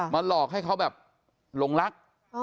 หลอกให้เขาแบบหลงรัก